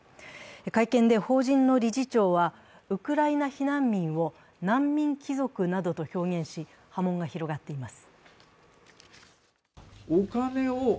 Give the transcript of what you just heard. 会見で法人の理事長は、ウクライナ避難民を難民貴族などと表現し波紋が広がっています。